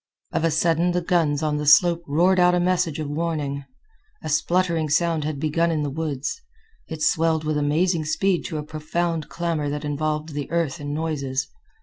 Of a sudden the guns on the slope roared out a message of warning. A spluttering sound had begun in the woods. It swelled with amazing speed to a profound clamor that involved the earth in noises.